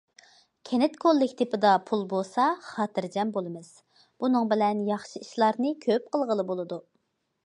كەنت كوللېكتىپىدا پۇل بولسا، خاتىرجەم بولىمىز، بۇنىڭ بىلەن ياخشى ئىشلارنى كۆپ قىلغىلى بولىدۇ.